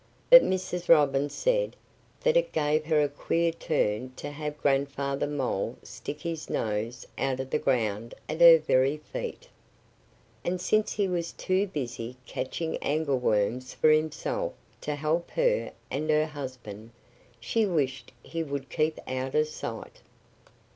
But Mrs. Robin said that it gave her a queer turn to have Grandfather Mole stick his nose out of the ground at her very feet. And since he was too busy catching angleworms for himself to help her and her husband, she wished he would keep out of sight.